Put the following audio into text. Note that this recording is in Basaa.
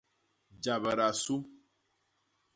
Jabda su.